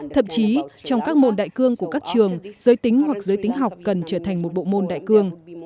thậm chí trong các môn đại cương của các trường giới tính hoặc giới tính học cần trở thành một bộ môn đại cương